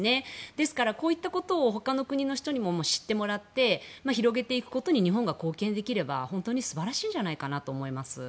ですから、こういったことを他の国の人にも知ってもらって広げていくことに日本が貢献できれば本当に素晴らしいんじゃないかと思います。